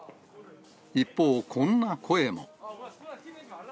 一方、こんな声も。